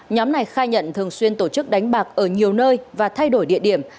nhóm này khai nhận thường xuyên tổ chức đánh bạc ở nhiều nơi và thay đổi địa điểm